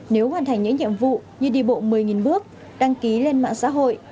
nếu hoàn thành những nhiệm vụ như đi bộ một mươi bước đăng ký lên mạng xã hội